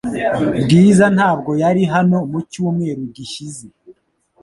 Bwiza ntabwo yari hano mu cyumweru gishize .